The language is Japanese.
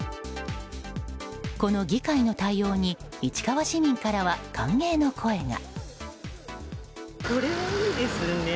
この議会の対応に市川市民からは歓迎の声が。